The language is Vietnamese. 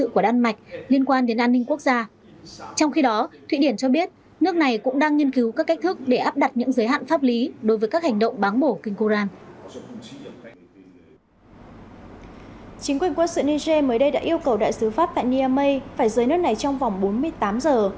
chính quyền quân sự niger mới đây đã yêu cầu đại sứ pháp tại niamey phải rời nước này trong vòng bốn mươi tám giờ